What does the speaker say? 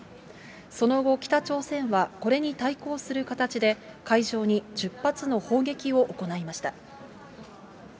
その後、北朝鮮はこれに対抗する形で、海上に１０発の砲撃を行いました。